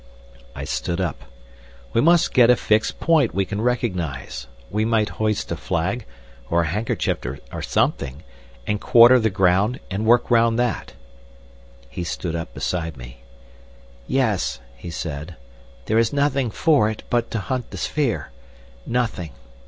I stood up. "We must get a fixed point we can recognise—we might hoist a flag, or a handkerchief, or something—and quarter the ground, and work round that." He stood up beside me. "Yes," he said, "there is nothing for it but to hunt the sphere. Nothing.